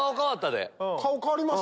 顔変わりました？